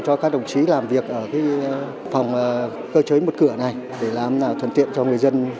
cho các đồng chí làm việc ở phòng cơ chế một cửa này để làm thuận tiện cho người dân